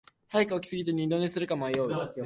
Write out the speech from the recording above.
早く起きすぎて二度寝するか迷う